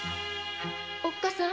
おっかさん？